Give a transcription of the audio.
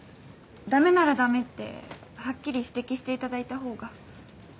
だめならだめってはっきり指摘していただいたほうが。